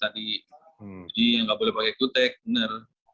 jadi yang nggak boleh pakai kutek benar